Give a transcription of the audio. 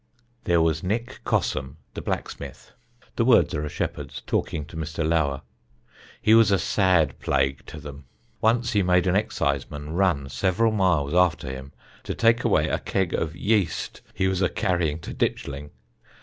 "There was Nick Cossum the blacksmith [the words are a shepherd's, talking to Mr. Lower]; he was a sad plague to them. Once he made an exciseman run several miles after him, to take away a keg of yeast he was a carrying to Ditchling!